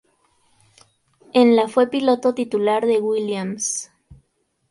En la fue piloto titular de Williams.